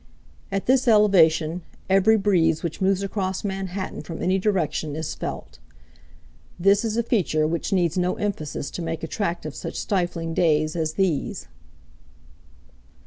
At this elevation every breeze which moves across Manhattan from any direction is felt. This is a feature which needs no emphasis to make attractive such stifling days as these.